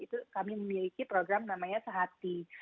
itu kami memiliki program namanya sehati